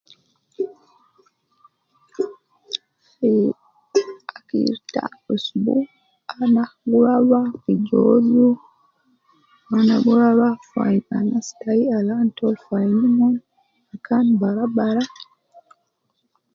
Fi Fi ta' usbu ana gurwa rua fi jozu, ana gurwa rua fi ayin anas tai al antol fi ayinumon bakan barabara